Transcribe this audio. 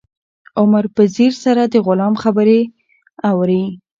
عمر په ځیر سره د غلام خبرې اوري.